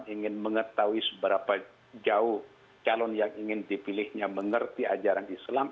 ingin mengetahui seberapa jauh calon yang ingin dipilihnya mengerti ajaran islam